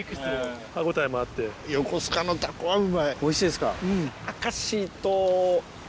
おいしいですか。